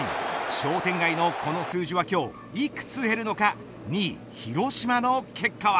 商店街のこの数字は今日、幾つ減るのか２位広島の結果は。